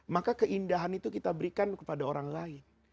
maka keindahan itu kita berikan kepada orang lain